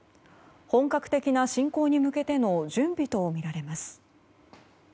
本格的な侵攻に向けての準備とみられます。